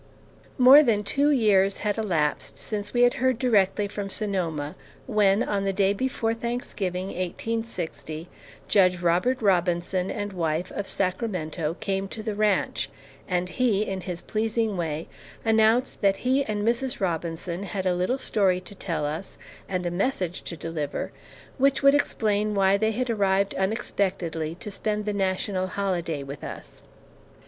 More than two years had elapsed since we had heard directly from Sonoma, when, on the day before Thanksgiving, 1860, Judge Robert Robinson and wife, of Sacramento, came to the ranch, and he, in his pleasing way, announced that he and Mrs. Robinson had a little story to tell, and a message to deliver, which would explain why they had arrived unexpectedly to spend the national holiday with us.